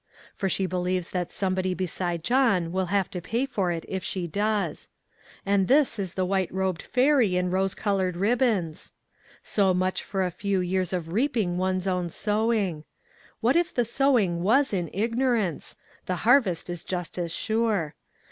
For she believes that somebody beside John will have to pay for it if she does. And this is the white robed fairy in rose colored ribbons. So much for a few years of reaping one's own sowing ! What if the sowing was in ignorance ? The harvest is just as sure.